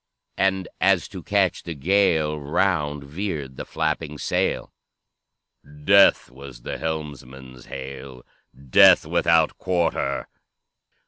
"And as to catch the gale Round veered the flapping sail, 'Death!' was the helmsman's hail, 'Death without quarter!'